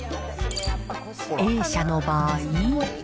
Ａ社の場合。